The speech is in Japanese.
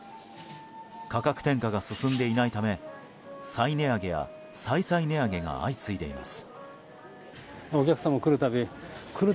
価格転嫁が進んでいないため再値上げや再々値上げが相次いでいます。